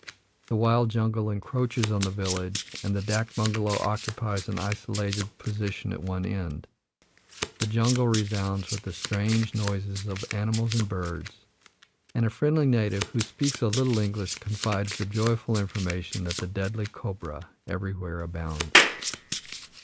The wild jungle encroaches on the village, and the dak bungalow occupies an isolated position at one end. The jungle resounds with the strange noises of animals and birds, and a friendly native, who speaks a little English, confides the joyful information that the deadly cobra everywhere abounds.